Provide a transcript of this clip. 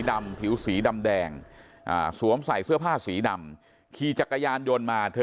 ดำผิวสีดำแดงสวมใส่เสื้อผ้าสีดำขี่จักรยานยนต์มาเธอ